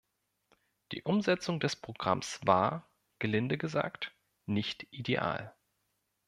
Die Umsetzung des Programms war, gelinde gesagt, nicht ideal.